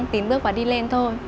tín bước và đi lên thôi